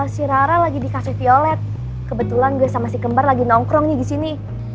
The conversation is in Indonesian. si rara lagi di kasih violet kebetulan gue sama si kembar lagi nongkrongnya di sini